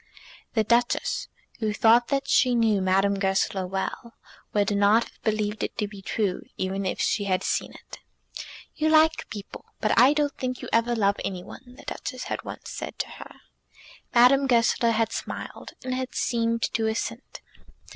The Duchess, who thought that she knew Madame Goesler well, would not have believed it to be true, even if she had seen it. "You like people, but I don't think you ever love any one," the Duchess had once said to her. Madame Goesler had smiled, and had seemed to assent.